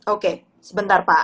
oke sebentar pak